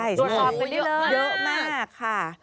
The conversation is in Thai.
เยอะมากค่ะ